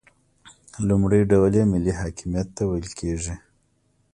لومړی ډول یې ملي حاکمیت ته ویل کیږي.